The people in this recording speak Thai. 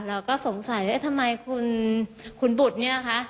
เราก็สงสัยว่าทำไมคุณบุตรเนี่ยคะ